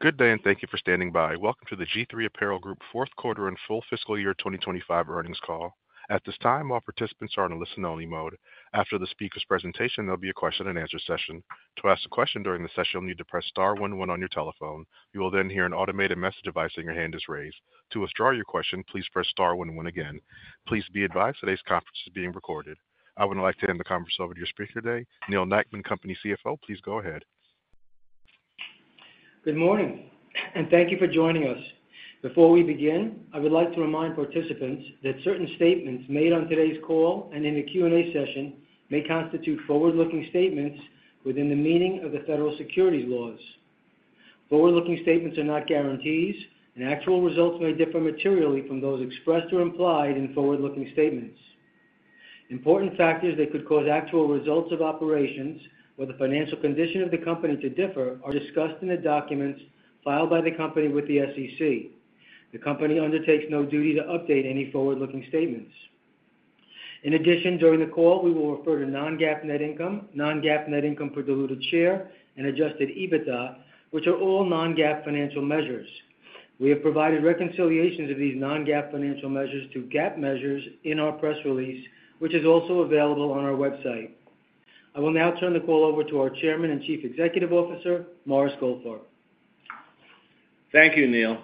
Good day, and thank you for standing by. Welcome to the G-III Apparel Group Fourth Quarter and Full Fiscal Year 2025 earnings call. At this time, all participants are in a listen-only mode. After the speaker's presentation, there'll be a question-and-answer session. To ask a question during the session, you'll need to press star one one on your telephone. You will then hear an automated message device indicating your hand is raised. To withdraw your question, please press star one one again. Please be advised today's conference is being recorded. I would like to hand the conference over to your speaker today, Neal Nackman, Company CFO. Please go ahead. Good morning, and thank you for joining us. Before we begin, I would like to remind participants that certain statements made on today's call and in the Q&A session may constitute forward-looking statements within the meaning of the federal securities laws. Forward-looking statements are not guarantees, and actual results may differ materially from those expressed or implied in forward-looking statements. Important factors that could cause actual results of operations or the financial condition of the company to differ are discussed in the documents filed by the company with the SEC. The company undertakes no duty to update any forward-looking statements. In addition, during the call, we will refer to non-GAAP net income, non-GAAP net income per diluted share, and adjusted EBITDA, which are all non-GAAP financial measures. We have provided reconciliations of these non-GAAP financial measures to GAAP measures in our press release, which is also available on our website. I will now turn the call over to our Chairman and Chief Executive Officer, Morris Goldfarb. Thank you, Neal,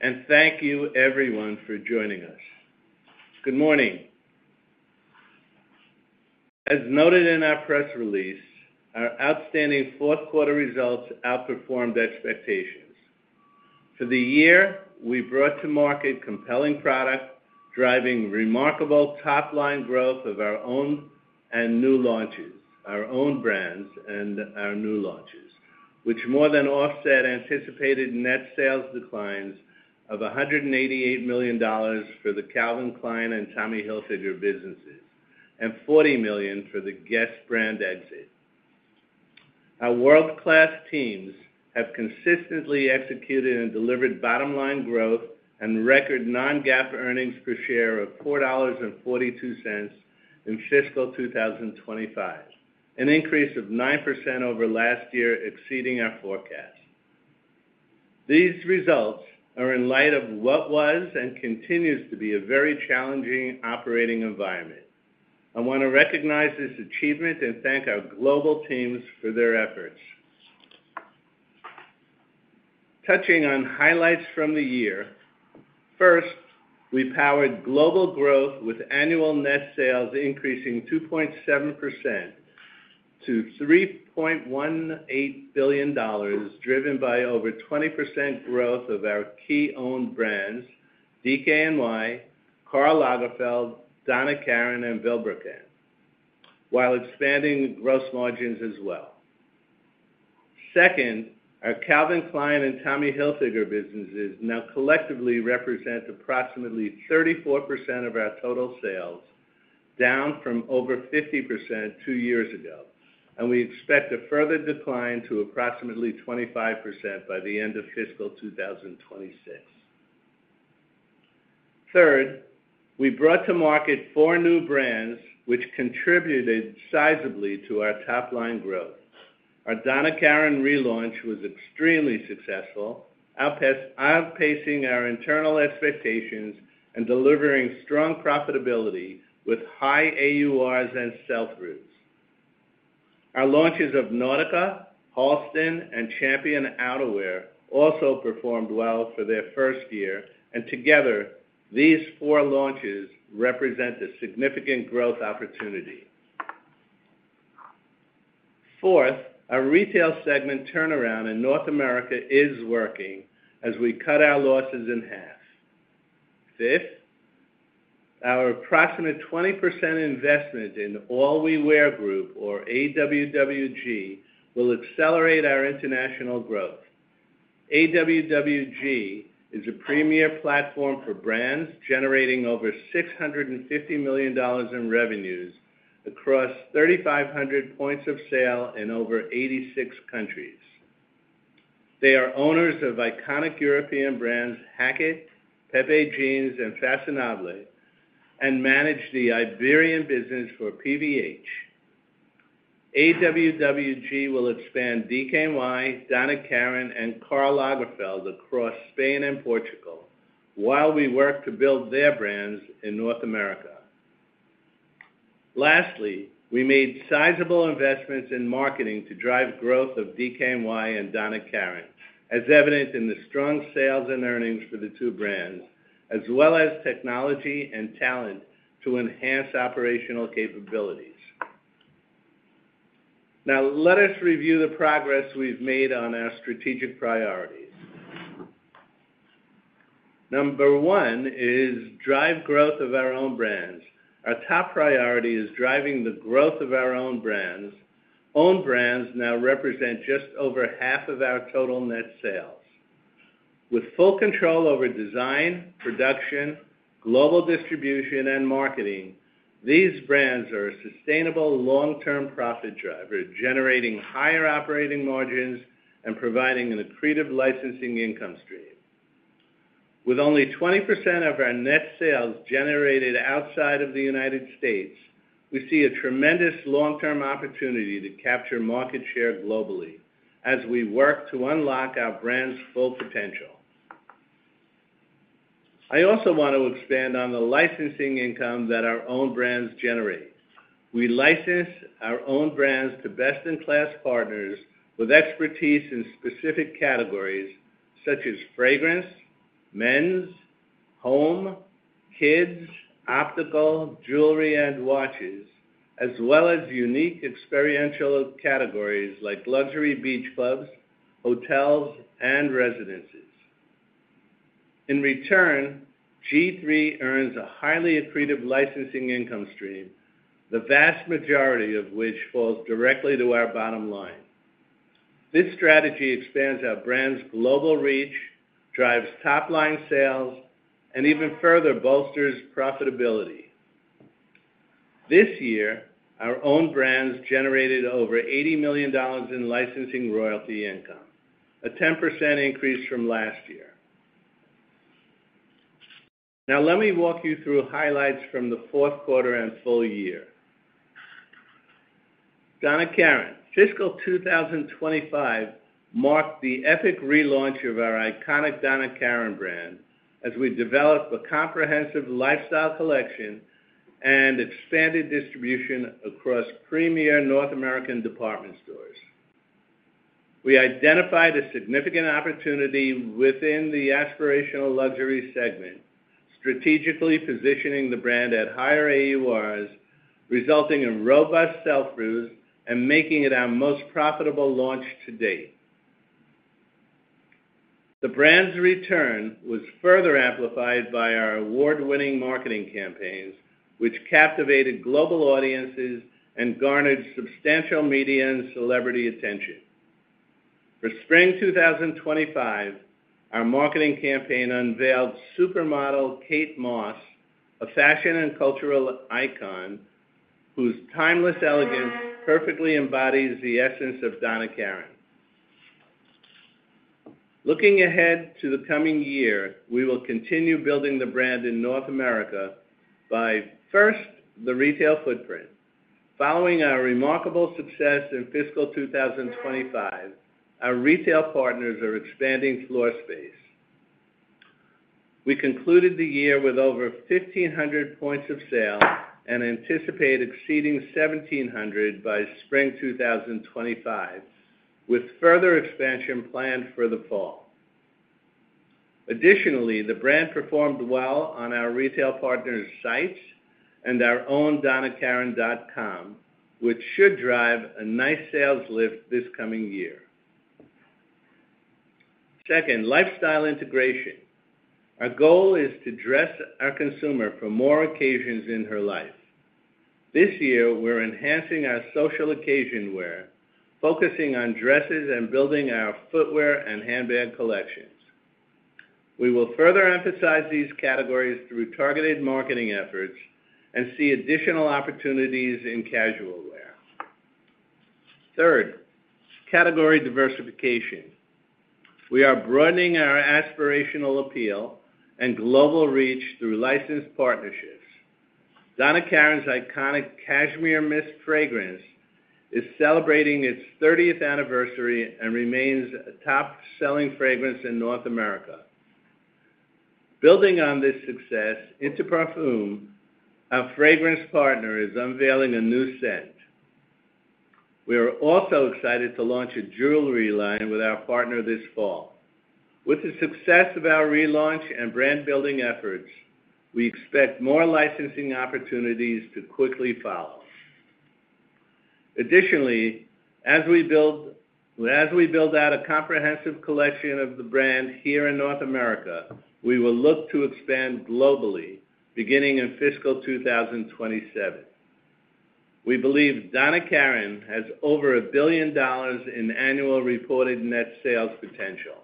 and thank you everyone for joining us. Good morning. As noted in our press release, our outstanding fourth quarter results outperformed expectations. For the year, we brought to market compelling product driving remarkable top-line growth of our own and new launches, our own brands and our new launches, which more than offset anticipated net sales declines of $188 million for the Calvin Klein and Tommy Hilfiger businesses and $40 million for the Guess brand exit. Our world-class teams have consistently executed and delivered bottom-line growth and record non-GAAP earnings per share of $4.42 in fiscal 2025, an increase of 9% over last year, exceeding our forecast. These results are in light of what was and continues to be a very challenging operating environment. I want to recognize this achievement and thank our global teams for their efforts. Touching on highlights from the year, first, we powered global growth with annual net sales increasing 2.7% to $3.18 billion, driven by over 20% growth of our key owned brands, DKNY, Karl Lagerfeld, Donna Karan, and Vilebrequin, while expanding gross margins as well. Second, our Calvin Klein and Tommy Hilfiger businesses now collectively represent approximately 34% of our total sales, down from over 50% two years ago, and we expect a further decline to approximately 25% by the end of fiscal 2026. Third, we brought to market four new brands, which contributed sizably to our top-line growth. Our Donna Karan relaunch was extremely successful, outpacing our internal expectations and delivering strong profitability with high AURs and sell-throughs. Our launches of Nautica, Halston, and Champion Outerwear also performed well for their first year, and together, these four launches represent a significant growth opportunity. Fourth, our retail segment turnaround in North America is working as we cut our losses in half. Fifth, our approximate 20% investment in All We Wear Group, or AWWG, will accelerate our international growth. AWWG is a premier platform for brands generating over $650 million in revenues across 3,500 points of sale in over 86 countries. They are owners of iconic European brands Hackett, Pepe Jeans, and Façonnable, and manage the Iberian business for PVH. AWWG will expand DKNY, Donna Karan, and Karl Lagerfeld across Spain and Portugal while we work to build their brands in North America. Lastly, we made sizable investments in marketing to drive growth of DKNY and Donna Karan, as evident in the strong sales and earnings for the two brands, as well as technology and talent to enhance operational capabilities. Now, let us review the progress we've made on our strategic priorities. Number one is drive growth of our own brands. Our top priority is driving the growth of our own brands. Own brands now represent just over half of our total net sales. With full control over design, production, global distribution, and marketing, these brands are a sustainable long-term profit driver, generating higher operating margins and providing an accretive licensing income stream. With only 20% of our net sales generated outside of the United States, we see a tremendous long-term opportunity to capture market share globally as we work to unlock our brands' full potential. I also want to expand on the licensing income that our own brands generate. We license our own brands to best-in-class partners with expertise in specific categories such as fragrance, men's, home, kids, optical, jewelry, and watches, as well as unique experiential categories like luxury beach clubs, hotels, and residences. In return, G-III earns a highly accretive licensing income stream, the vast majority of which falls directly to our bottom line. This strategy expands our brand's global reach, drives top-line sales, and even further bolsters profitability. This year, our own brands generated over $80 million in licensing royalty income, a 10% increase from last year. Now, let me walk you through highlights from the fourth quarter and full year. Donna Karan, fiscal 2025 marked the epic relaunch of our iconic Donna Karan brand as we developed a comprehensive lifestyle collection and expanded distribution across premier North American department stores. We identified a significant opportunity within the aspirational luxury segment, strategically positioning the brand at higher AURs, resulting in robust sell-throughs and making it our most profitable launch to date. The brand's return was further amplified by our award-winning marketing campaigns, which captivated global audiences and garnered substantial media and celebrity attention. For spring 2025, our marketing campaign unveiled supermodel Kate Moss, a fashion and cultural icon whose timeless elegance perfectly embodies the essence of Donna Karan. Looking ahead to the coming year, we will continue building the brand in North America by first the retail footprint. Following our remarkable success in fiscal 2025, our retail partners are expanding floor space. We concluded the year with over 1,500 points of sale and anticipate exceeding 1,700 by spring 2025, with further expansion planned for the fall. Additionally, the brand performed well on our retail partners' sites and our own donnakaran.com, which should drive a nice sales lift this coming year. Second, lifestyle integration. Our goal is to dress our consumer for more occasions in her life. This year, we're enhancing our social occasion wear, focusing on dresses and building our footwear and handbag collections. We will further emphasize these categories through targeted marketing efforts and see additional opportunities in casual wear. Third, category diversification. We are broadening our aspirational appeal and global reach through licensed partnerships. Donna Karan's iconic Cashmere Mist fragrance is celebrating its 30th anniversary and remains a top-selling fragrance in North America. Building on this success, Inter Parfums, our fragrance partner, is unveiling a new scent. We are also excited to launch a jewelry line with our partner this fall. With the success of our relaunch and brand-building efforts, we expect more licensing opportunities to quickly follow. Additionally, as we build out a comprehensive collection of the brand here in North America, we will look to expand globally, beginning in fiscal 2027. We believe Donna Karan has over a billion dollars in annual reported net sales potential.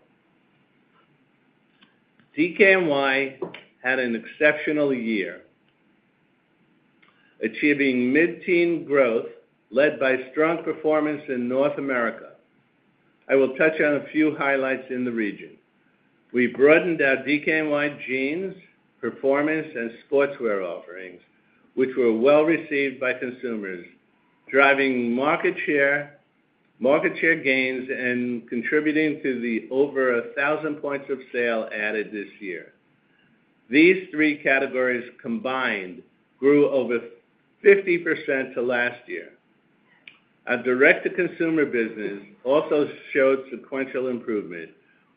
DKNY had an exceptional year, achieving mid-teen growth led by strong performance in North America. I will touch on a few highlights in the region. We broadened our DKNY Jeans, performance, and sportswear offerings, which were well received by consumers, driving market share gains and contributing to the over 1,000 points of sale added this year. These three categories combined grew over 50% to last year. Our direct-to-consumer business also showed sequential improvement,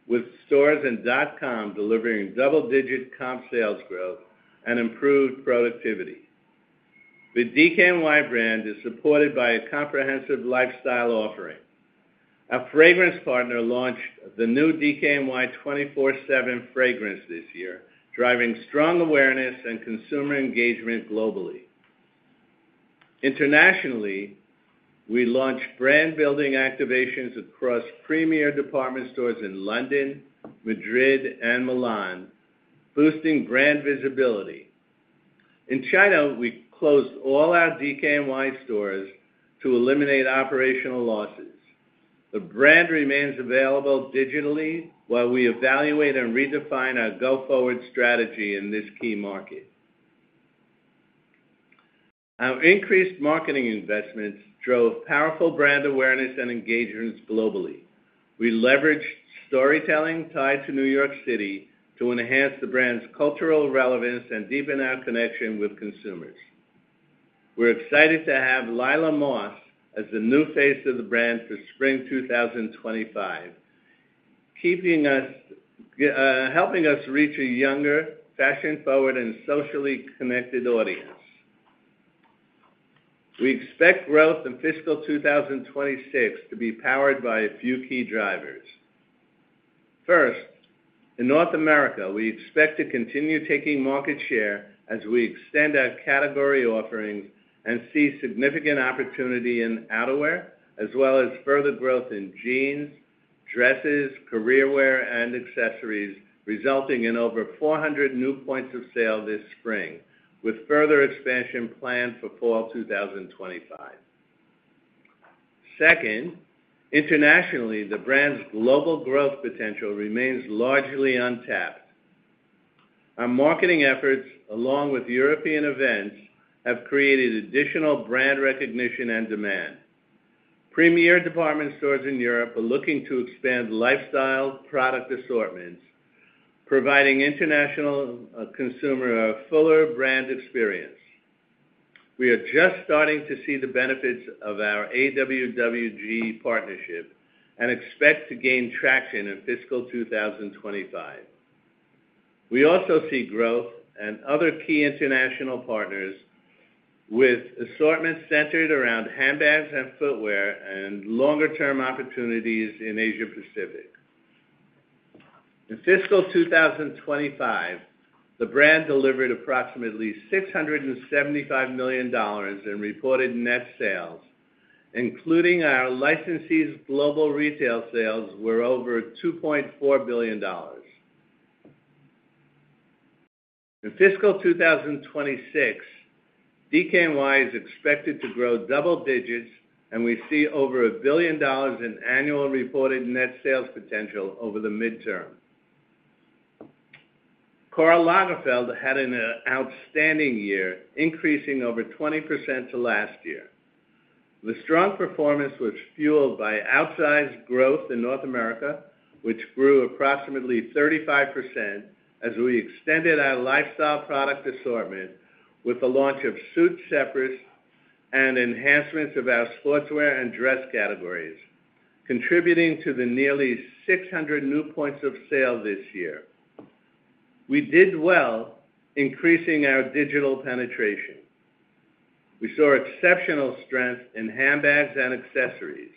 with stores and dot-com delivering double-digit comp sales growth and improved productivity. The DKNY brand is supported by a comprehensive lifestyle offering. Our fragrance partner launched the new DKNY 24/7 fragrance this year, driving strong awareness and consumer engagement globally. Internationally, we launched brand-building activations across premier department stores in London, Madrid, and Milan, boosting brand visibility. In China, we closed all our DKNY stores to eliminate operational losses. The brand remains available digitally while we evaluate and redefine our go-forward strategy in this key market. Our increased marketing investments drove powerful brand awareness and engagements globally. We leveraged storytelling tied to New York City to enhance the brand's cultural relevance and deepen our connection with consumers. We're excited to have Lila Moss as the new face of the brand for spring 2025, helping us reach a younger, fashion-forward, and socially connected audience. We expect growth in fiscal 2026 to be powered by a few key drivers. First, in North America, we expect to continue taking market share as we extend our category offerings and see significant opportunity in outerwear, as well as further growth in jeans, dresses, career wear, and accessories, resulting in over 400 new points of sale this spring, with further expansion planned for fall 2025. Second, internationally, the brand's global growth potential remains largely untapped. Our marketing efforts, along with European events, have created additional brand recognition and demand. Premier department stores in Europe are looking to expand lifestyle product assortments, providing international consumers a fuller brand experience. We are just starting to see the benefits of our AWWG partnership and expect to gain traction in fiscal 2025. We also see growth and other key international partners with assortments centered around handbags and footwear and longer-term opportunities in Asia-Pacific. In fiscal 2025, the brand delivered approximately $675 million in reported net sales, including our licensee's global retail sales, where over $2.4 billion. In fiscal 2026, DKNY is expected to grow double digits, and we see over a billion dollars in annual reported net sales potential over the midterm. Karl Lagerfeld had an outstanding year, increasing over 20% to last year. The strong performance was fueled by outsized growth in North America, which grew approximately 35% as we extended our lifestyle product assortment with the launch of suits, slippers, and enhancements of our sportswear and dress categories, contributing to the nearly 600 new points of sale this year. We did well, increasing our digital penetration. We saw exceptional strength in handbags and accessories.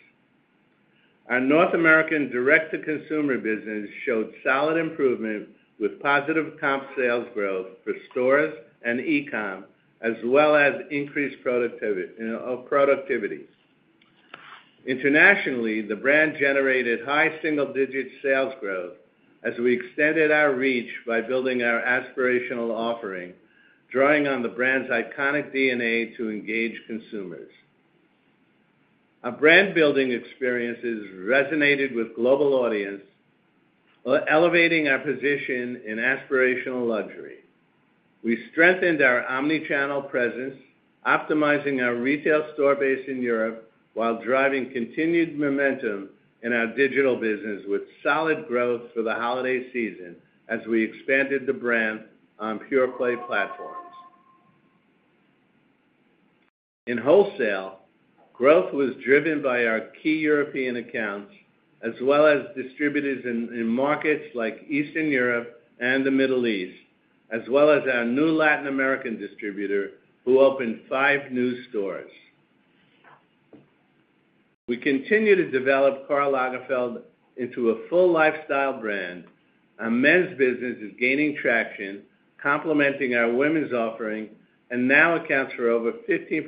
Our North American direct-to-consumer business showed solid improvement with positive comp sales growth for stores and e-com, as well as increased productivity. Internationally, the brand generated high single-digit sales growth as we extended our reach by building our aspirational offering, drawing on the brand's iconic DNA to engage consumers. Our brand-building experiences resonated with global audiences, elevating our position in aspirational luxury. We strengthened our omnichannel presence, optimizing our retail store base in Europe while driving continued momentum in our digital business with solid growth for the holiday season as we expanded the brand on pure play platforms. In wholesale, growth was driven by our key European accounts, as well as distributors in markets like Eastern Europe and the Middle East, as well as our new Latin American distributor who opened five new stores. We continue to develop Karl Lagerfeld into a full lifestyle brand. Our men's business is gaining traction, complementing our women's offering, and now accounts for over 15%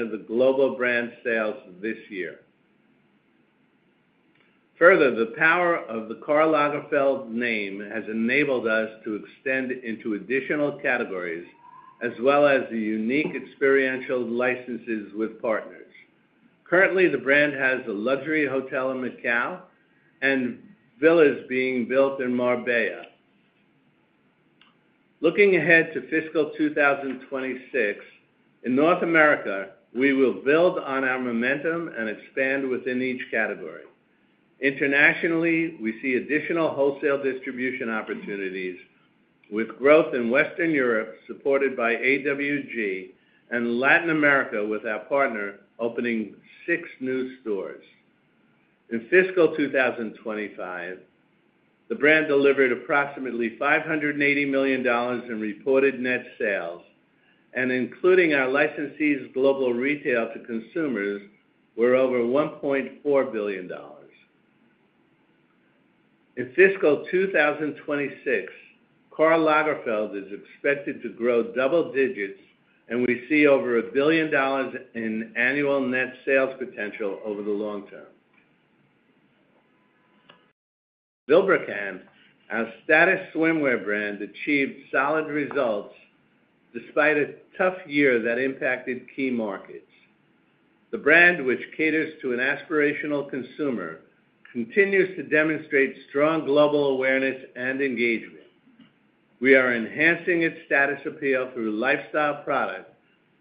of the global brand sales this year. Further, the power of the Karl Lagerfeld name has enabled us to extend into additional categories, as well as the unique experiential licenses with partners. Currently, the brand has a luxury hotel in Macau and villas being built in Marbella. Looking ahead to fiscal 2026, in North America, we will build on our momentum and expand within each category. Internationally, we see additional wholesale distribution opportunities, with growth in Western Europe supported by All We Wear Group and Latin America with our partner opening six new stores. In fiscal 2025, the brand delivered approximately $580 million in reported net sales, and including our licensee's global retail to consumers, were over $1.4 billion. In fiscal 2026, Karl Lagerfeld is expected to grow double digits, and we see over a billion dollars in annual net sales potential over the long term. Vilebrequin, our status swimwear brand, achieved solid results despite a tough year that impacted key markets. The brand, which caters to an aspirational consumer, continues to demonstrate strong global awareness and engagement. We are enhancing its status appeal through lifestyle products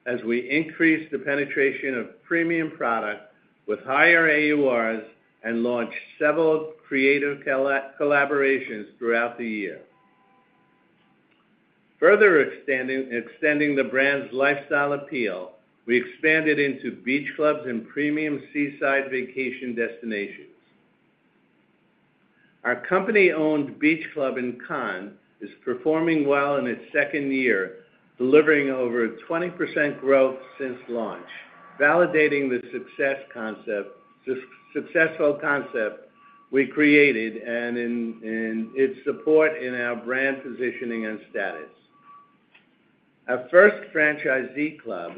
as we increase the penetration of premium products with higher AURs and launch several creative collaborations throughout the year. Further extending the brand's lifestyle appeal, we expanded into beach clubs and premium seaside vacation destinations. Our company-owned beach club in Cannes is performing well in its second year, delivering over 20% growth since launch, validating the successful concept we created and its support in our brand positioning and status. Our first franchisee club,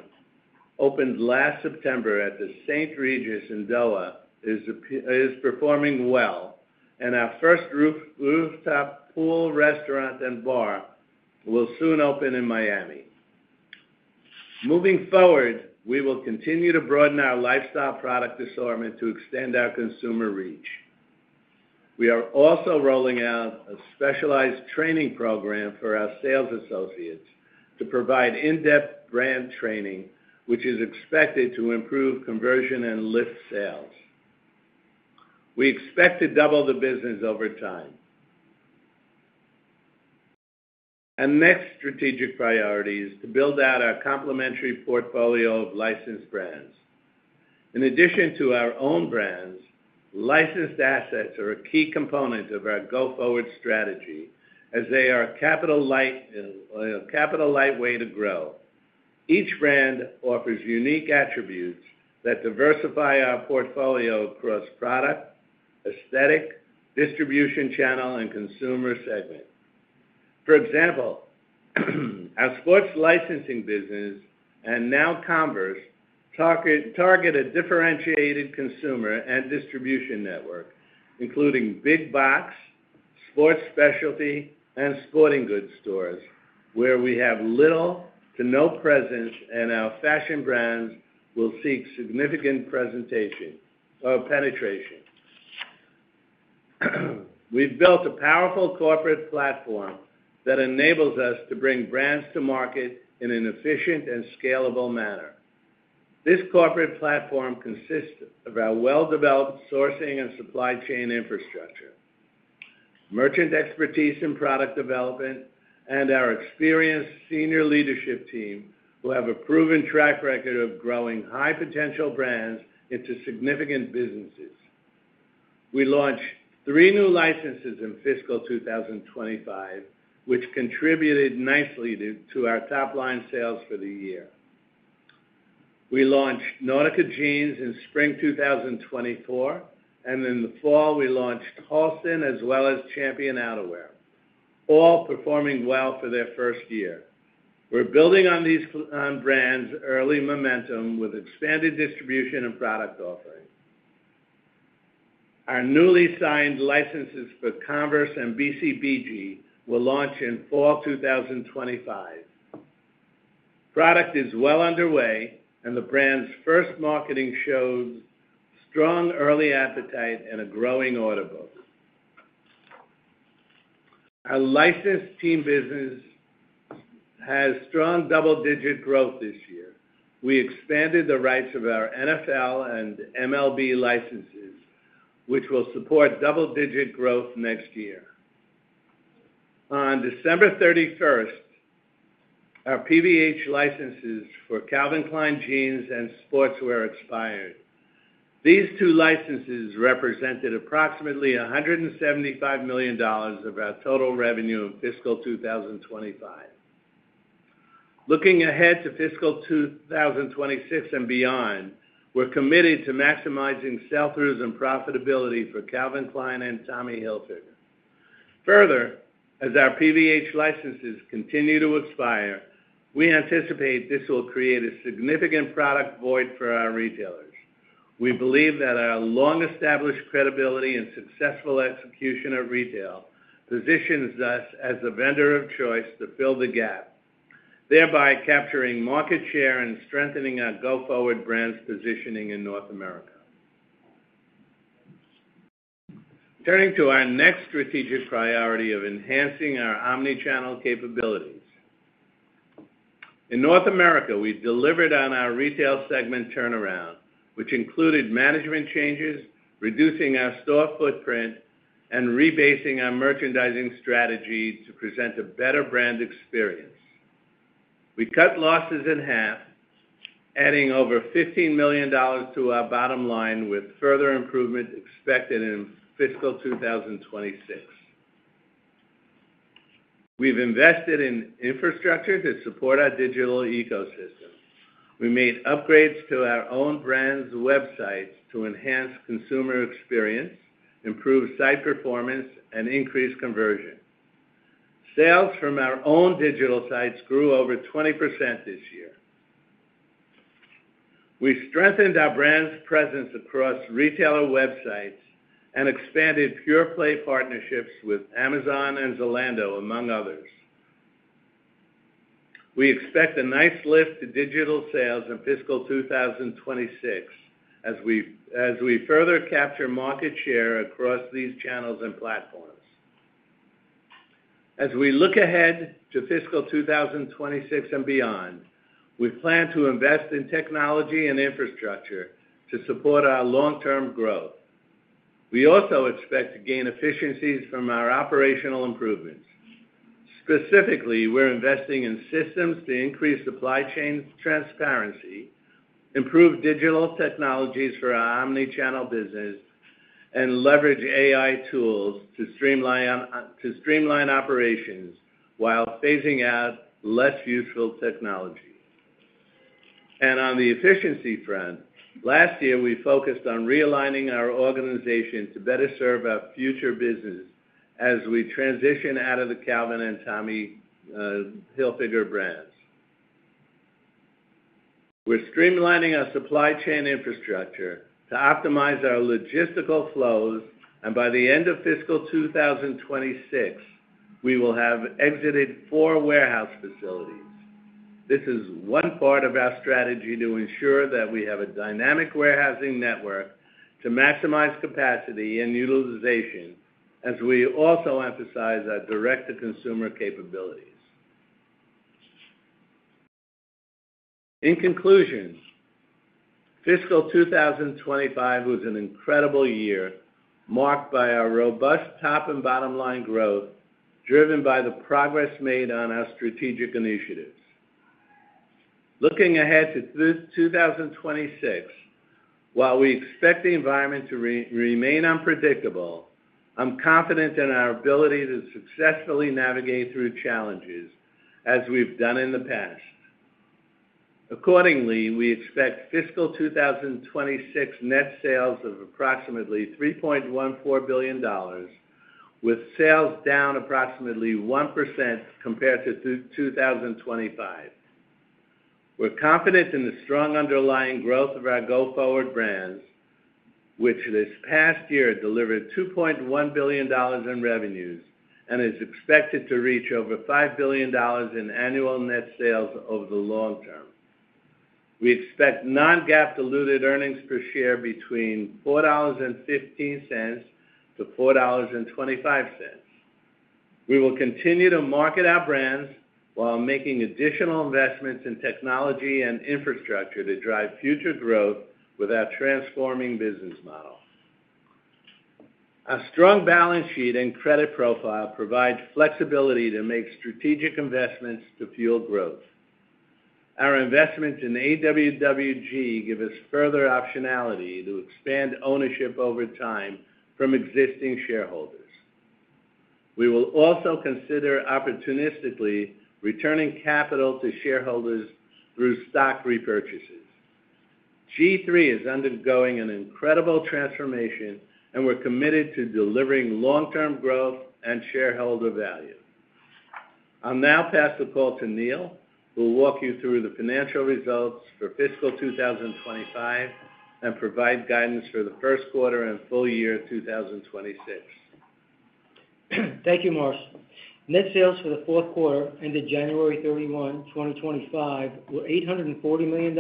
opened last September at the St. Regis in Doha, is performing well, and our first rooftop pool restaurant and bar will soon open in Miami. Moving forward, we will continue to broaden our lifestyle product assortment to extend our consumer reach. We are also rolling out a specialized training program for our sales associates to provide in-depth brand training, which is expected to improve conversion and lift sales. We expect to double the business over time. Our next strategic priority is to build out our complementary portfolio of licensed brands. In addition to our own brands, licensed assets are a key component of our go-forward strategy as they are a capital-light way to grow. Each brand offers unique attributes that diversify our portfolio across product, aesthetic, distribution channel, and consumer segment. For example, our sports licensing business and now Converse target a differentiated consumer and distribution network, including big box, sports specialty, and sporting goods stores, where we have little to no presence, and our fashion brands will seek significant penetration. We've built a powerful corporate platform that enables us to bring brands to market in an efficient and scalable manner. This corporate platform consists of our well-developed sourcing and supply chain infrastructure, merchant expertise in product development, and our experienced senior leadership team who have a proven track record of growing high-potential brands into significant businesses. We launched three new licenses in fiscal 2025, which contributed nicely to our top-line sales for the year. We launched Nautica Jeans in spring 2024, and in the fall, we launched Halston, as well as Champion Outerwear, all performing well for their first year. We're building on these brands' early momentum with expanded distribution and product offering. Our newly signed licenses for Converse and BCBG will launch in fall 2025. Product is well underway, and the brand's first marketing shows strong early appetite and a growing order book. Our licensed team business has strong double-digit growth this year. We expanded the rights of our NFL and MLB licenses, which will support double-digit growth next year. On December 31, our PVH licenses for Calvin Klein Jeans and sportswear expired. These two licenses represented approximately $175 million of our total revenue in fiscal 2025. Looking ahead to fiscal 2026 and beyond, we're committed to maximizing sell-throughs and profitability for Calvin Klein and Tommy Hilfiger. Further, as our PVH licenses continue to expire, we anticipate this will create a significant product void for our retailers. We believe that our long-established credibility and successful execution of retail positions us as the vendor of choice to fill the gap, thereby capturing market share and strengthening our go-forward brand's positioning in North America. Turning to our next strategic priority of enhancing our omnichannel capabilities. In North America, we delivered on our retail segment turnaround, which included management changes, reducing our store footprint, and rebasing our merchandising strategy to present a better brand experience. We cut losses in half, adding over $15 million to our bottom line, with further improvement expected in fiscal 2026. We've invested in infrastructure to support our digital ecosystem. We made upgrades to our own brands' websites to enhance consumer experience, improve site performance, and increase conversion. Sales from our own digital sites grew over 20% this year. We strengthened our brands' presence across retailer websites and expanded pure play partnerships with Amazon and Zalando, among others. We expect a nice lift to digital sales in fiscal 2026 as we further capture market share across these channels and platforms. As we look ahead to fiscal 2026 and beyond, we plan to invest in technology and infrastructure to support our long-term growth. We also expect to gain efficiencies from our operational improvements. Specifically, we're investing in systems to increase supply chain transparency, improve digital technologies for our omnichannel business, and leverage AI tools to streamline operations while phasing out less useful technology. On the efficiency front, last year, we focused on realigning our organization to better serve our future business as we transition out of the Calvin Klein and Tommy Hilfiger brands. We're streamlining our supply chain infrastructure to optimize our logistical flows, and by the end of fiscal 2026, we will have exited four warehouse facilities. This is one part of our strategy to ensure that we have a dynamic warehousing network to maximize capacity and utilization, as we also emphasize our direct-to-consumer capabilities. In conclusion, fiscal 2025 was an incredible year, marked by our robust top and bottom line growth driven by the progress made on our strategic initiatives. Looking ahead to 2026, while we expect the environment to remain unpredictable, I'm confident in our ability to successfully navigate through challenges as we've done in the past. Accordingly, we expect fiscal 2026 net sales of approximately $3.14 billion, with sales down approximately 1% compared to 2025. We're confident in the strong underlying growth of our go-forward brands, which this past year delivered $2.1 billion in revenues and is expected to reach over $5 billion in annual net sales over the long term. We expect non-GAAP diluted earnings per share between $4.15-$4.25. We will continue to market our brands while making additional investments in technology and infrastructure to drive future growth with our transforming business model. Our strong balance sheet and credit profile provide flexibility to make strategic investments to fuel growth. Our investments in AWWG give us further optionality to expand ownership over time from existing shareholders. We will also consider opportunistically returning capital to shareholders through stock repurchases. G-III is undergoing an incredible transformation, and we're committed to delivering long-term growth and shareholder value. I'll now pass the call to Neal, who will walk you through the financial results for fiscal 2025 and provide guidance for the first quarter and full year 2026. Thank you, Morris. Net sales for the fourth quarter ended January 31, 2025, were $840 million,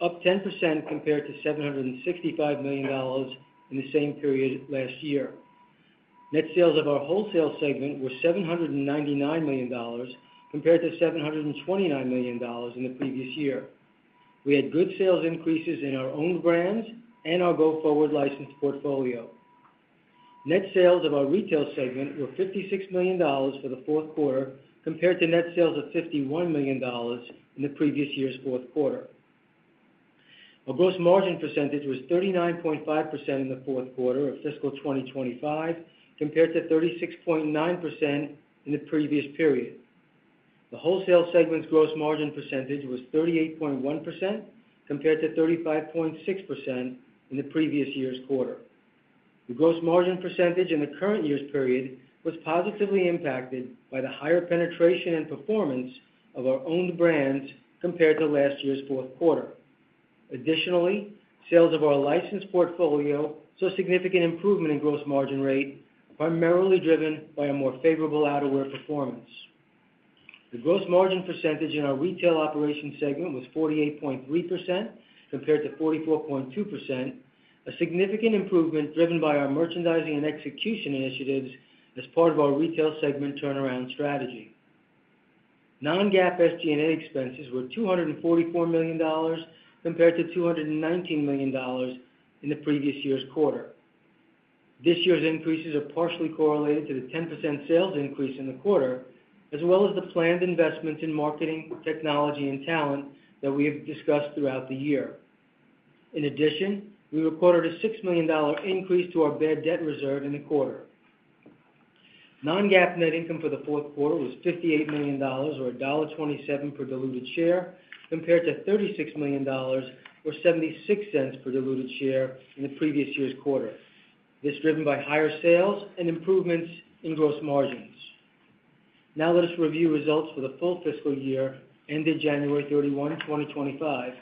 up 10% compared to $765 million in the same period last year. Net sales of our wholesale segment were $799 million compared to $729 million in the previous year. We had good sales increases in our own brands and our go-forward licensed portfolio. Net sales of our retail segment were $56 million for the fourth quarter compared to net sales of $51 million in the previous year's fourth quarter. Our gross margin percentage was 39.5% in the fourth quarter of fiscal 2025 compared to 36.9% in the previous period. The wholesale segment's gross margin percentage was 38.1% compared to 35.6% in the previous year's quarter. The gross margin percentage in the current year's period was positively impacted by the higher penetration and performance of our own brands compared to last year's fourth quarter. Additionally, sales of our licensed portfolio saw significant improvement in gross margin rate, primarily driven by a more favorable outerwear performance. The gross margin percentage in our retail operations segment was 48.3% compared to 44.2%, a significant improvement driven by our merchandising and execution initiatives as part of our retail segment turnaround strategy. Non-GAAP SG&A expenses were $244 million compared to $219 million in the previous year's quarter. This year's increases are partially correlated to the 10% sales increase in the quarter, as well as the planned investments in marketing, technology, and talent that we have discussed throughout the year. In addition, we recorded a $6 million increase to our bad debt reserve in the quarter. Non-GAAP net income for the fourth quarter was $58 million, or $1.27 per diluted share, compared to $36 million, or $0.76 per diluted share in the previous year's quarter. This is driven by higher sales and improvements in gross margins. Now, let us review results for the full fiscal year ended January 31, 2025.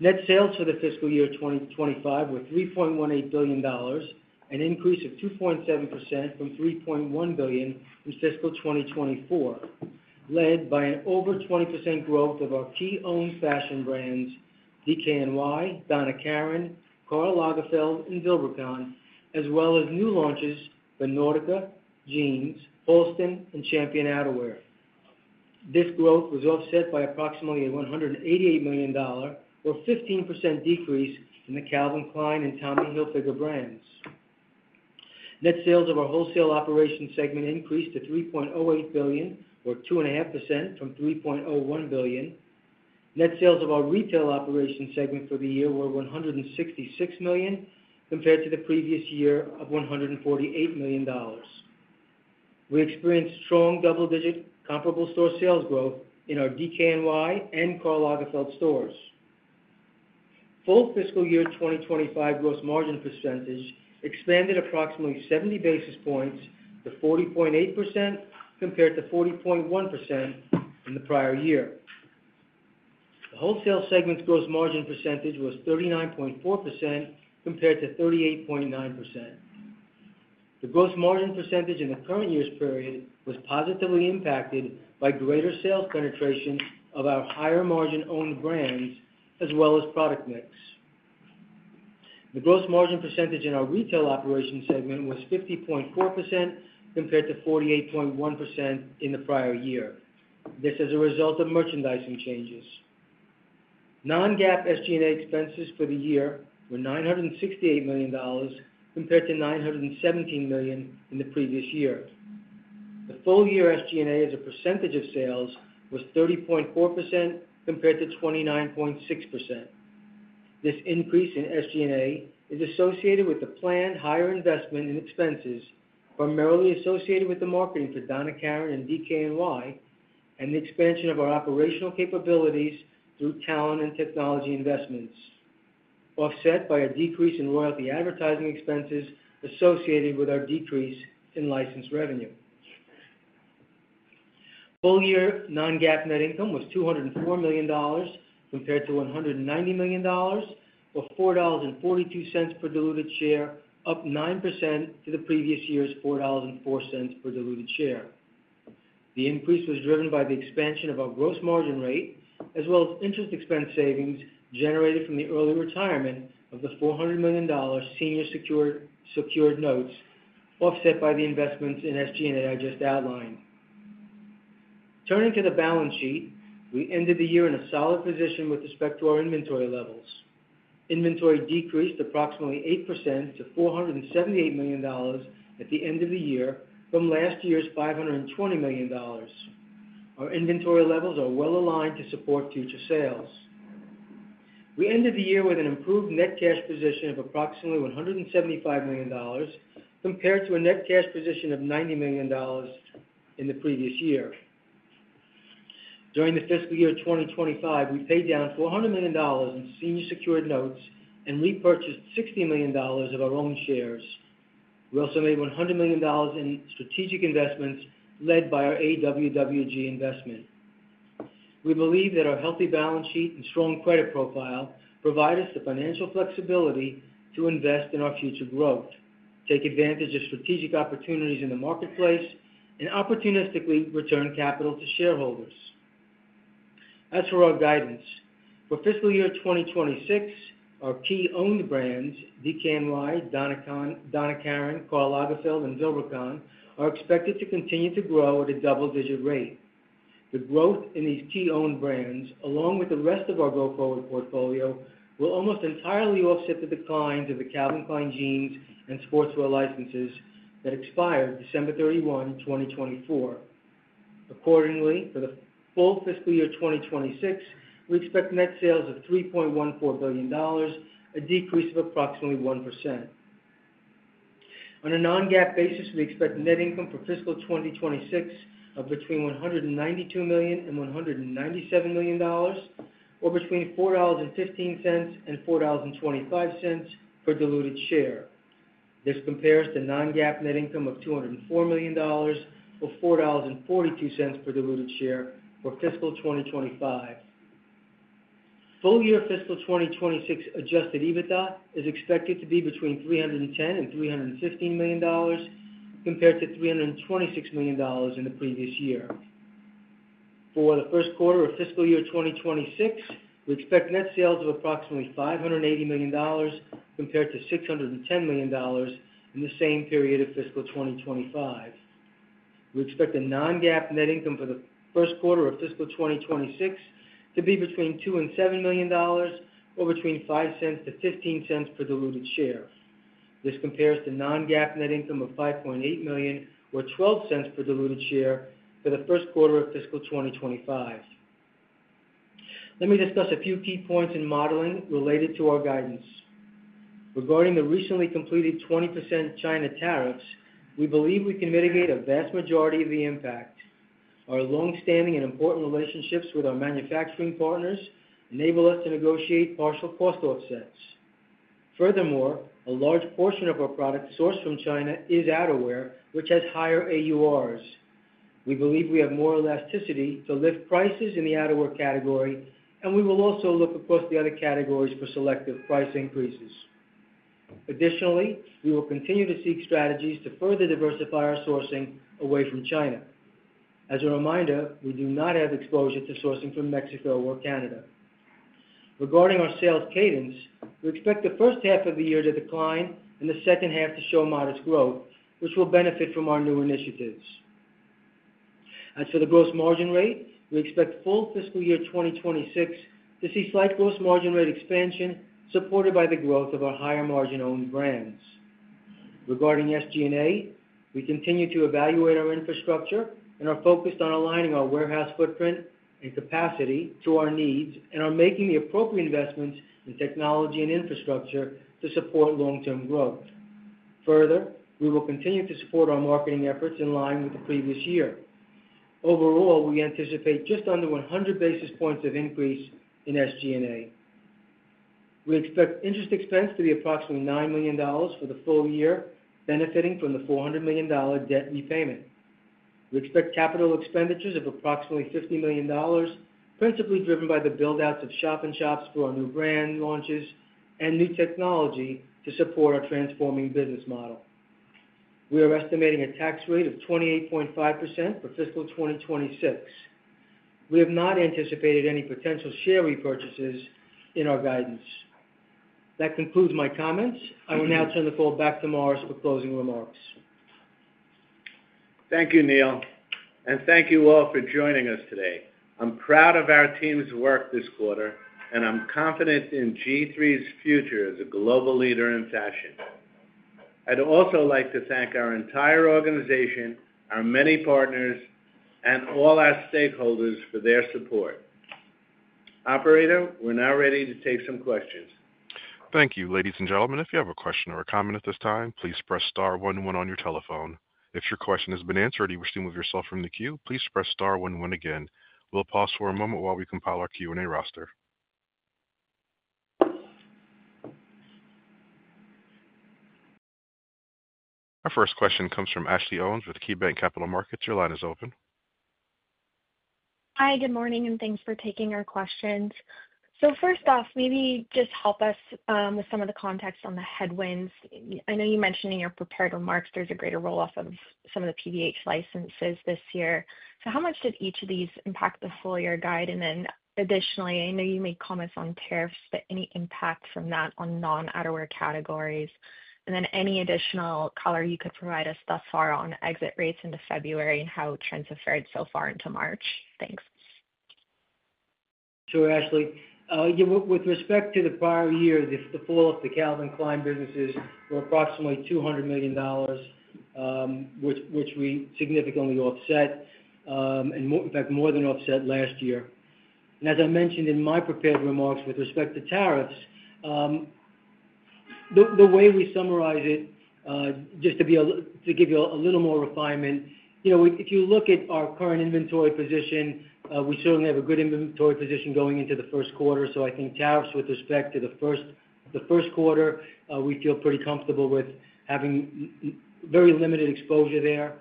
Net sales for the fiscal year 2025 were $3.18 billion, an increase of 2.7% from $3.1 billion in fiscal 2024, led by an over 20% growth of our key owned fashion brands, DKNY, Donna Karan, Karl Lagerfeld, and Vilebrequin, as well as new launches for Nautica Jeans, Halston, and Champion Outerwear. This growth was offset by approximately a $188 million, or a 15% decrease in the Calvin Klein and Tommy Hilfiger brands. Net sales of our wholesale operations segment increased to $3.08 billion, or 2.5% from $3.01 billion. Net sales of our retail operations segment for the year were $166 million, compared to the previous year of $148 million. We experienced strong double-digit comparable store sales growth in our DKNY and Karl Lagerfeld stores. Full fiscal year 2025 gross margin percentage expanded approximately 70 basis points to 40.8% compared to 40.1% in the prior year. The wholesale segment's gross margin percentage was 39.4% compared to 38.9%. The gross margin percentage in the current year's period was positively impacted by greater sales penetration of our higher margin-owned brands, as well as product mix. The gross margin percentage in our retail operations segment was 50.4% compared to 48.1% in the prior year. This is a result of merchandising changes. Non-GAAP SG&A expenses for the year were $968 million compared to $917 million in the previous year. The full year SG&A as a percentage of sales was 30.4% compared to 29.6%. This increase in SG&A is associated with the planned higher investment in expenses, primarily associated with the marketing for Donna Karan and DKNY, and the expansion of our operational capabilities through talent and technology investments, offset by a decrease in royalty advertising expenses associated with our decrease in licensed revenue. Full year non-GAAP net income was $204 million compared to $190 million, or $4.42 per diluted share, up 9% to the previous year's $4.04 per diluted share. The increase was driven by the expansion of our gross margin rate, as well as interest expense savings generated from the early retirement of the $400 million senior secured notes, offset by the investments in SG&A I just outlined. Turning to the balance sheet, we ended the year in a solid position with respect to our inventory levels. Inventory decreased approximately 8% to $478 million at the end of the year from last year's $520 million. Our inventory levels are well aligned to support future sales. We ended the year with an improved net cash position of approximately $175 million compared to a net cash position of $90 million in the previous year. During the fiscal year 2025, we paid down $400 million in senior secured notes and repurchased $60 million of our own shares. We also made $100 million in strategic investments led by our AWWG investment. We believe that our healthy balance sheet and strong credit profile provide us the financial flexibility to invest in our future growth, take advantage of strategic opportunities in the marketplace, and opportunistically return capital to shareholders. As for our guidance, for fiscal year 2026, our key owned brands, DKNY, Donna Karan, Karl Lagerfeld, and Vilebrequin, are expected to continue to grow at a double-digit rate. The growth in these key owned brands, along with the rest of our go-forward portfolio, will almost entirely offset the declines of the Calvin Klein Jeans and Sportswear licenses that expired December 31, 2024. Accordingly, for the full fiscal year 2026, we expect net sales of $3.14 billion, a decrease of approximately 1%. On a non-GAAP basis, we expect net income for fiscal 2026 of between $192 million and $197 million, or between $4.15 and $4.25 per diluted share. This compares to non-GAAP net income of $204 million or $4.42 per diluted share for fiscal 2025. Full year fiscal 2026 adjusted EBITDA is expected to be between $310 million and $315 million compared to $326 million in the previous year. For the first quarter of fiscal year 2026, we expect net sales of approximately $580 million compared to $610 million in the same period of fiscal 2025. We expect the non-GAAP net income for the first quarter of fiscal 2026 to be between $2 million and $7 million, or between $0.05 and $0.15 per diluted share. This compares to non-GAAP net income of $5.8 million, or $0.12 per diluted share for the first quarter of fiscal 2025. Let me discuss a few key points in modeling related to our guidance. Regarding the recently completed 20% China tariffs, we believe we can mitigate a vast majority of the impact. Our long-standing and important relationships with our manufacturing partners enable us to negotiate partial cost offsets. Furthermore, a large portion of our products sourced from China is outerwear, which has higher AURs. We believe we have more elasticity to lift prices in the outerwear category, and we will also look across the other categories for selective price increases. Additionally, we will continue to seek strategies to further diversify our sourcing away from China. As a reminder, we do not have exposure to sourcing from Mexico or Canada. Regarding our sales cadence, we expect the first half of the year to decline and the second half to show modest growth, which will benefit from our new initiatives. As for the gross margin rate, we expect full fiscal year 2026 to see slight gross margin rate expansion supported by the growth of our higher margin-owned brands. Regarding SG&A, we continue to evaluate our infrastructure and are focused on aligning our warehouse footprint and capacity to our needs and are making the appropriate investments in technology and infrastructure to support long-term growth. Further, we will continue to support our marketing efforts in line with the previous year. Overall, we anticipate just under 100 basis points of increase in SG&A. We expect interest expense to be approximately $9 million for the full year, benefiting from the $400 million debt repayment. We expect capital expenditures of approximately $50 million, principally driven by the build-outs of shop-in-shops for our new brand launches and new technology to support our transforming business model. We are estimating a tax rate of 28.5% for fiscal 2026. We have not anticipated any potential share repurchases in our guidance. That concludes my comments. I will now turn the call back to Morris for closing remarks. Thank you, Neal, and thank you all for joining us today. I'm proud of our team's work this quarter, and I'm confident in G-III's future as a global leader in fashion. I'd also like to thank our entire organization, our many partners, and all our stakeholders for their support. Operator, we're now ready to take some questions. Thank you, ladies and gentlemen. If you have a question or a comment at this time, please press star 11 on your telephone. If your question has been answered or you wish to move yourself from the queue, please press star 11 again. We'll pause for a moment while we compile our Q&A roster. Our first question comes from Ashley Owens with KeyBanc Capital Markets. Your line is open. Hi, good morning, and thanks for taking our questions. First off, maybe just help us with some of the context on the headwinds. I know you mentioned in your prepared remarks there's a greater roll-off of some of the PVH licenses this year. How much did each of these impact the full year guide? Additionally, I know you made comments on tariffs, but any impact from that on non-outerwear categories? Any additional color you could provide us thus far on exit rates into February and how trends have fared so far into March? Thanks. Sure, Ashley. With respect to the prior year, the fall of the Calvin Klein businesses were approximately $200 million, which we significantly offset, in fact, more than offset last year. As I mentioned in my prepared remarks with respect to tariffs, the way we summarize it, just to give you a little more refinement, if you look at our current inventory position, we certainly have a good inventory position going into the first quarter. I think tariffs with respect to the first quarter, we feel pretty comfortable with having very limited exposure there.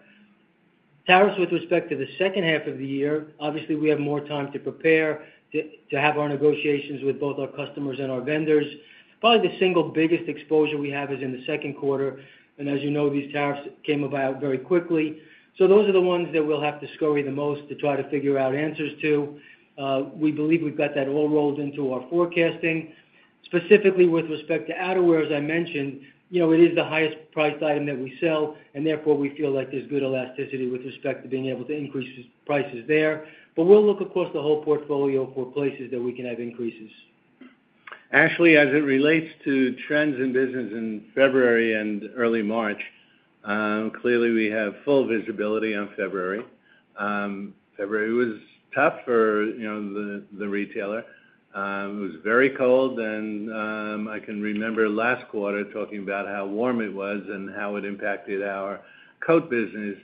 Tariffs with respect to the second half of the year, obviously, we have more time to prepare, to have our negotiations with both our customers and our vendors. Probably the single biggest exposure we have is in the second quarter. As you know, these tariffs came about very quickly. Those are the ones that we'll have to scurry the most to try to figure out answers to. We believe we've got that all rolled into our forecasting. Specifically with respect to outerwear, as I mentioned, it is the highest priced item that we sell, and therefore we feel like there's good elasticity with respect to being able to increase prices there. We'll look across the whole portfolio for places that we can have increases. Ashley, as it relates to trends in business in February and early March, clearly we have full visibility on February. February was tough for the retailer. It was very cold. I can remember last quarter talking about how warm it was and how it impacted our coat business.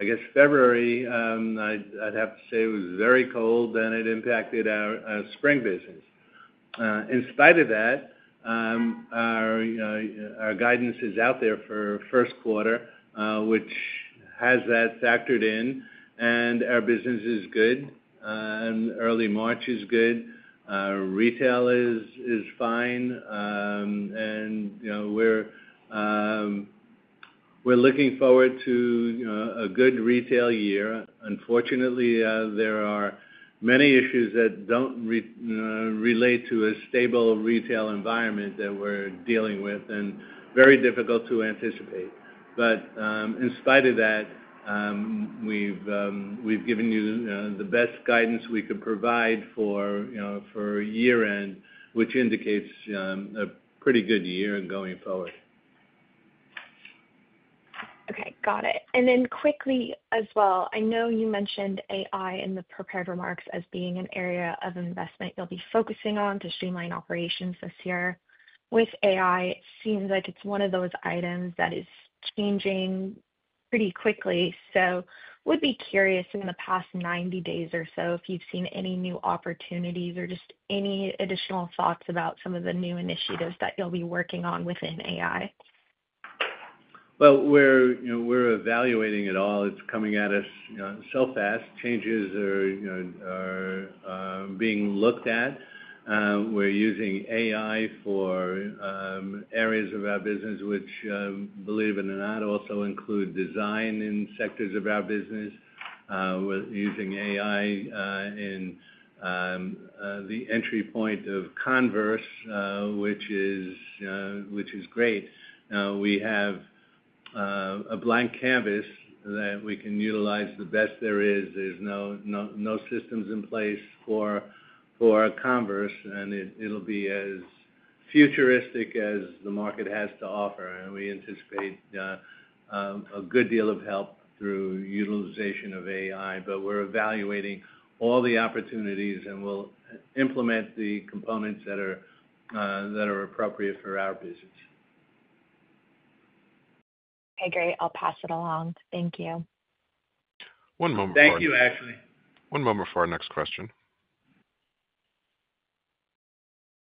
I guess February, I'd have to say it was very cold, and it impacted our spring business. In spite of that, our guidance is out there for first quarter, which has that factored in. Our business is good. Early March is good. Retail is fine. We are looking forward to a good retail year. Unfortunately, there are many issues that do not relate to a stable retail environment that we are dealing with and very difficult to anticipate. In spite of that, we have given you the best guidance we can provide for year-end, which indicates a pretty good year going forward. Okay, got it. Quickly as well, I know you mentioned AI in the prepared remarks as being an area of investment you will be focusing on to streamline operations this year. With AI, it seems like it is one of those items that is changing pretty quickly. I would be curious in the past 90 days or so if you've seen any new opportunities or just any additional thoughts about some of the new initiatives that you'll be working on within AI. We're evaluating it all. It's coming at us so fast. Changes are being looked at. We're using AI for areas of our business, which, believe it or not, also include design in sectors of our business. We're using AI in the entry point of Converse, which is great. We have a blank canvas that we can utilize the best there is. There's no systems in place for Converse, and it'll be as futuristic as the market has to offer. We anticipate a good deal of help through utilization of AI. We're evaluating all the opportunities, and we'll implement the components that are appropriate for our business. Okay, great. I'll pass it along. Thank you. One moment for our next question. Thank you, Ashley. One moment for our next question.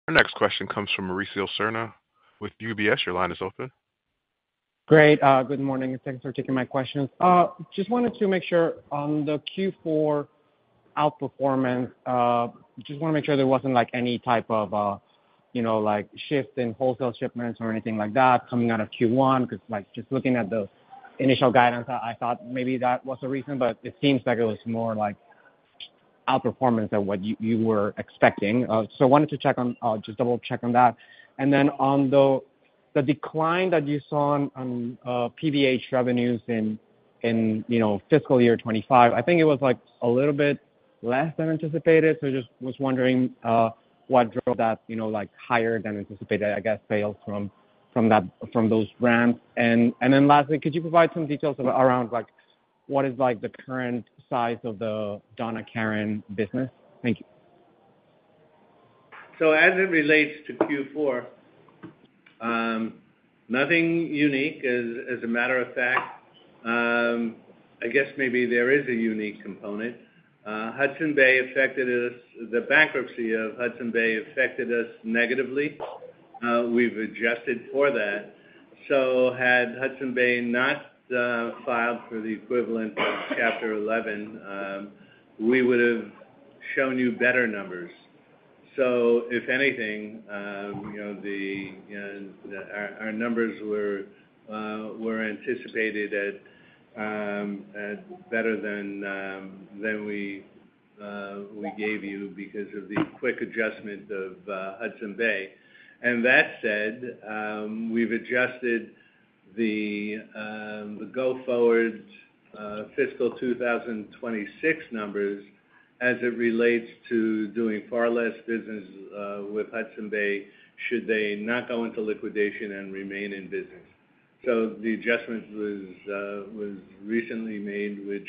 Our next question comes from Mauricio Serna with UBS, your line is open. Great. Good morning, and thanks for taking my questions. Just wanted to make sure on the Q4 outperformance, just want to make sure there was not any type of shift in wholesale shipments or anything like that coming out of Q1. Because just looking at the initial guidance, I thought maybe that was the reason, but it seems like it was more outperformance than what you were expecting. I wanted to check on, just double-check on that. On the decline that you saw on PVH revenues in fiscal year 2025, I think it was a little bit less than anticipated. I just was wondering what drove that higher than anticipated, I guess, sales from those brands. Lastly, could you provide some details around what is the current size of the Donna Karan business? Thank you. As it relates to Q4, nothing unique. As a matter of fact, I guess maybe there is a unique component. Hudson's Bay affected us. The bankruptcy of Hudson's Bay affected us negatively. We've adjusted for that. Had Hudson's Bay not filed for the equivalent of Chapter 11, we would have shown you better numbers. If anything, our numbers were anticipated better than we gave you because of the quick adjustment of Hudson's Bay. That said, we've adjusted the go-forward fiscal 2026 numbers as it relates to doing far less business with Hudson's Bay should they not go into liquidation and remain in business. The adjustment was recently made, which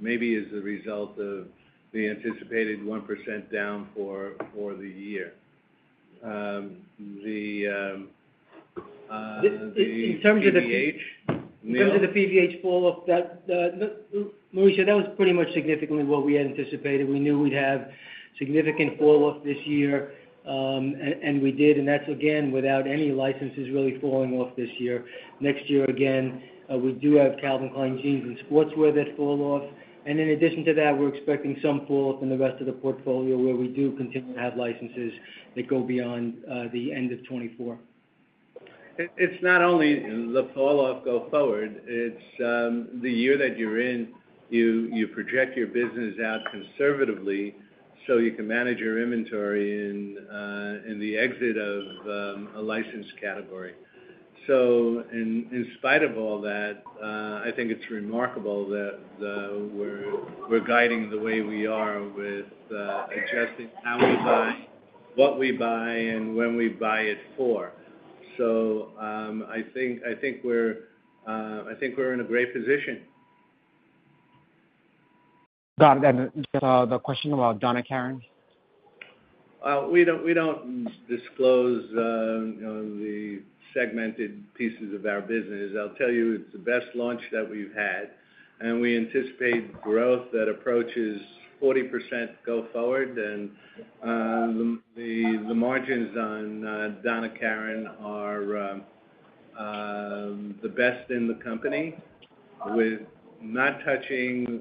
maybe is the result of the anticipated 1% down for the year. The PVH fall-off, Mauricio, that was pretty much significantly what we anticipated. We knew we'd have significant fall-off this year, and we did. That's, again, without any licenses really falling off this year. Next year, again, we do have Calvin Klein jeans and sportswear that fall off. In addition to that, we're expecting some fall-off in the rest of the portfolio where we do continue to have licenses that go beyond the end of 2024. It's not only the fall-off go forward. It's the year that you're in, you project your business out conservatively so you can manage your inventory in the exit of a licensed category. In spite of all that, I think it's remarkable that we're guiding the way we are with adjusting how we buy, what we buy, and when we buy it for. I think we're in a great position. Got it. The question about Donna Karan? We don't disclose the segmented pieces of our business. I'll tell you, it's the best launch that we've had. We anticipate growth that approaches 40% go-forward. The margins on Donna Karan are the best in the company, with not touching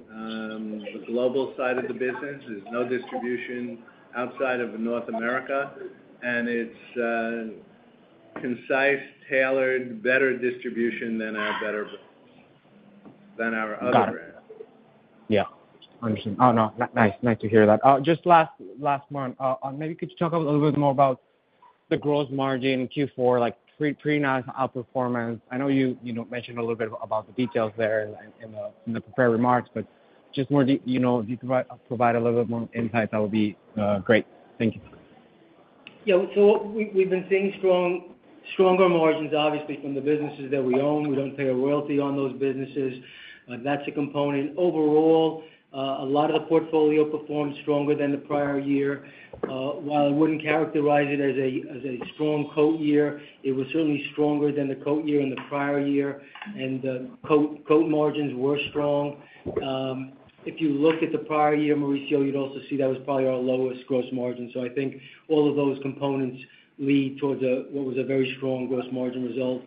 the global side of the business. There's no distribution outside of North America. It's concise, tailored, better distribution than our other brands. Yeah. I understand. Oh, nice. Nice to hear that. Just last month, maybe could you talk a little bit more about the gross margin Q4, pretty nice outperformance? I know you mentioned a little bit about the details there in the prepared remarks, but just more detail. If you could provide a little bit more insight, that would be great. Thank you. Yeah. We have been seeing stronger margins, obviously, from the businesses that we own. We do not pay a royalty on those businesses. That is a component. Overall, a lot of the portfolio performed stronger than the prior year. While I would not characterize it as a strong coat year, it was certainly stronger than the coat year in the prior year. The coat margins were strong. If you look at the prior year, Mauricio, you would also see that was probably our lowest gross margin. I think all of those components lead towards what was a very strong gross margin result.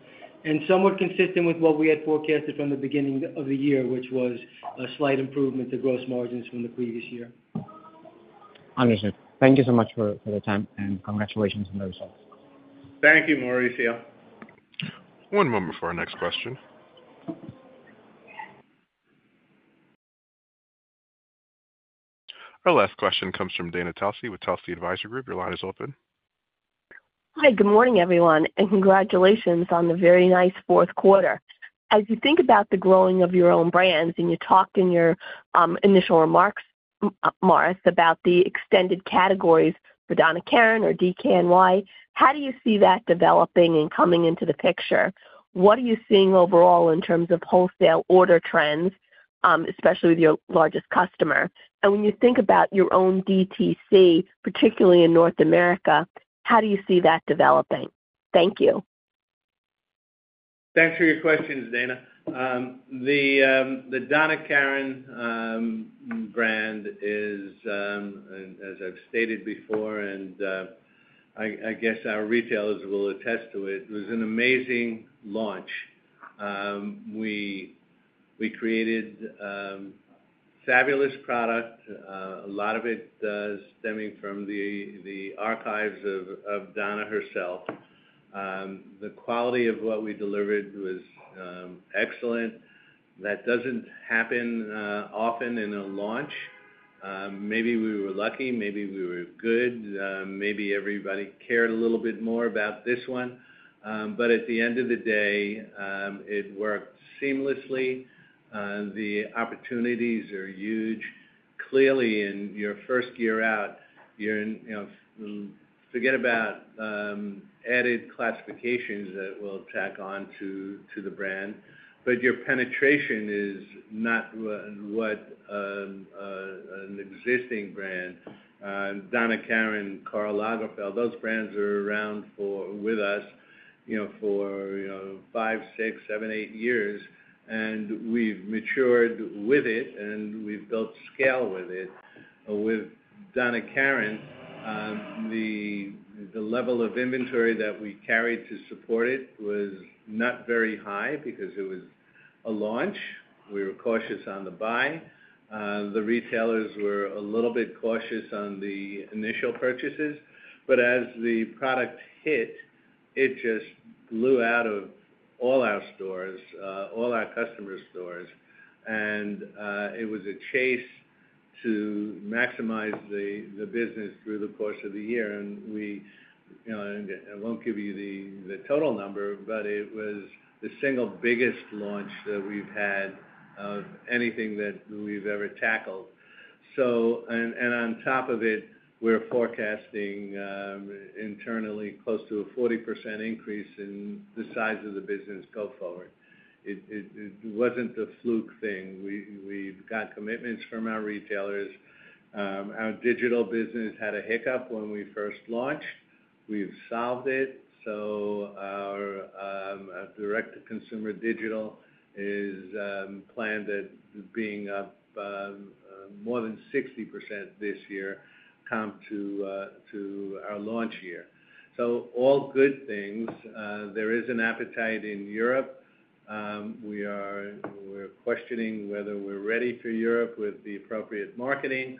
Somewhat consistent with what we had forecasted from the beginning of the year, which was a slight improvement to gross margins from the previous year. Understood. Thank you so much for the time, and congratulations on the results. Thank you, Mauricio. One moment for our next question. Our last question comes from Dana Telsey with Telsey Advisory Group. Your line is open. Hi, good morning, everyone. Congratulations on the very nice fourth quarter. As you think about the growing of your own brands, and you talked in your initial remarks, Morris, about the extended categories for Donna Karan or DKNY, how do you see that developing and coming into the picture? What are you seeing overall in terms of wholesale order trends, especially with your largest customer? When you think about your own DTC, particularly in North America, how do you see that developing? Thank you. Thanks for your questions, Dana. The Donna Karan brand is, as I've stated before, and I guess our retailers will attest to it, was an amazing launch. We created a fabulous product, a lot of it stemming from the archives of Donna herself. The quality of what we delivered was excellent. That does not happen often in a launch. Maybe we were lucky. Maybe we were good. Maybe everybody cared a little bit more about this one. At the end of the day, it worked seamlessly. The opportunities are huge. Clearly, in your first year out, you forget about added classifications that will tack on to the brand. Your penetration is not what an existing brand, Donna Karan, Karl Lagerfeld, those brands are around with us for five, six, seven, eight years. We have matured with it, and we have built scale with it. With Donna Karan, the level of inventory that we carried to support it was not very high because it was a launch. We were cautious on the buy. The retailers were a little bit cautious on the initial purchases. As the product hit, it just blew out of all our stores, all our customer stores. It was a chase to maximize the business through the course of the year. I won't give you the total number, but it was the single biggest launch that we've had of anything that we've ever tackled. On top of it, we're forecasting internally close to a 40% increase in the size of the business go-forward. It wasn't a fluke thing. We've got commitments from our retailers. Our digital business had a hiccup when we first launched. We've solved it. Our direct-to-consumer digital is planned at being up more than 60% this year compared to our launch year. All good things. There is an appetite in Europe. We are questioning whether we're ready for Europe with the appropriate marketing.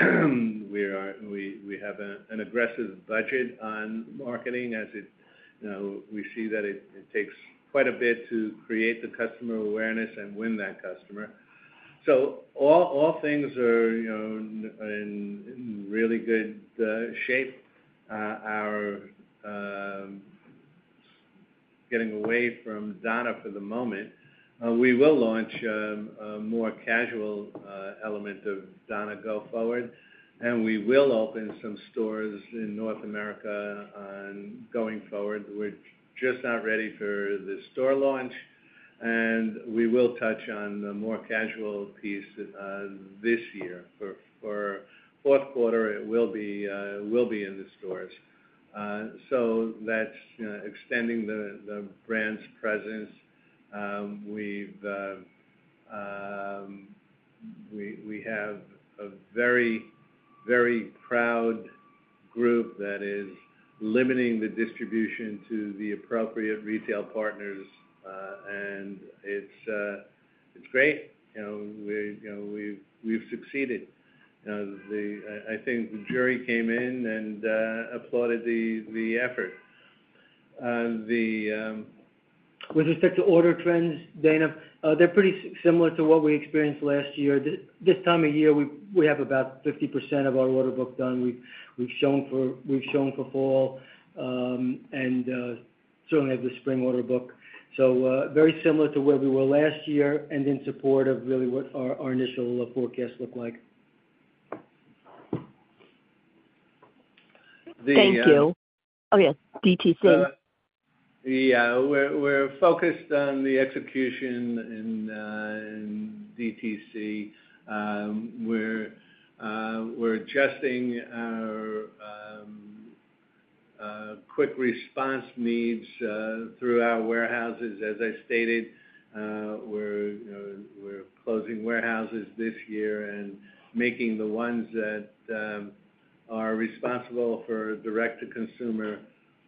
We have an aggressive budget on marketing as we see that it takes quite a bit to create the customer awareness and win that customer. All things are in really good shape. Getting away from Donna for the moment, we will launch a more casual element of Donna go-forward. We will open some stores in North America going forward. We're just not ready for the store launch. We will touch on the more casual piece this year. For fourth quarter, it will be in the stores. That's extending the brand's presence. We have a very, very proud group that is limiting the distribution to the appropriate retail partners. It is great. We have succeeded. I think the jury came in and applauded the effort. With respect to order trends, Dana, they are pretty similar to what we experienced last year. This time of year, we have about 50% of our order book done. We have shown for fall and certainly have the spring order book. Very similar to where we were last year and in support of really what our initial forecast looked like. Thank you. Oh, yes. DTC. Yeah. We are focused on the execution in DTC. We are adjusting our quick response needs through our warehouses, as I stated. We are closing warehouses this year and making the ones that are responsible for direct-to-consumer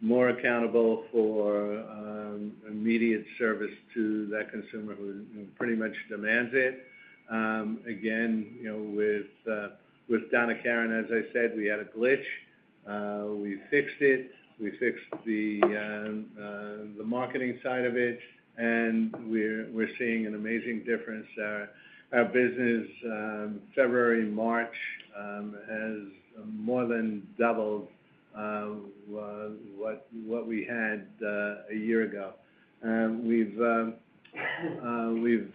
more accountable for immediate service to that consumer who pretty much demands it. Again, with Donna Karan, as I said, we had a glitch. We fixed it. We fixed the marketing side of it. We are seeing an amazing difference. Our business, February, March, has more than doubled what we had a year ago. We have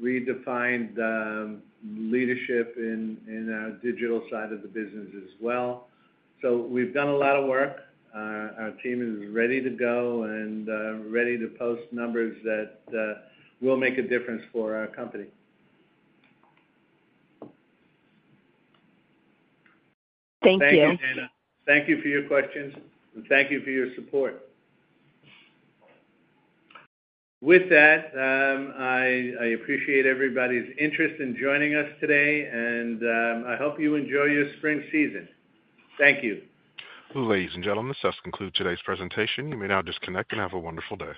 redefined leadership in our digital side of the business as well. We have done a lot of work. Our team is ready to go and ready to post numbers that will make a difference for our company. Thank you. Thank you for your questions. Thank you for your support. With that, I appreciate everybody's interest in joining us today. I hope you enjoy your spring season. Thank you. Ladies and gentlemen, this does conclude today's presentation. You may now disconnect and have a wonderful day.